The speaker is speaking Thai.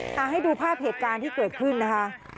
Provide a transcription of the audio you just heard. เอาให้ดูภาพเหตุการณ์ที่เกิดขึ้นนะคะ